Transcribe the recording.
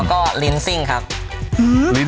ก็เซอร์ได้